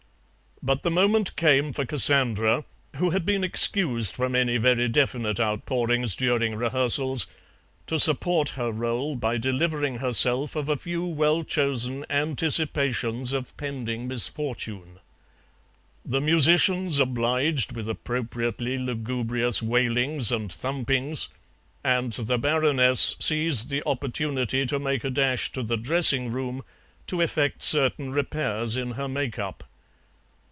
But the moment came for Cassandra (who had been excused from any very definite outpourings during rehearsals) to support her rôle by delivering herself of a few well chosen anticipations of pending misfortune. The musicians obliged with appropriately lugubrious wailings and thumpings, and the Baroness seized the opportunity to make a dash to the dressing room to effect certain repairs in her make up.